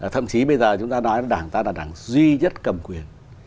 thậm chí bây giờ chúng ta nói là đảng ta là đảng duy nhất cầm quyền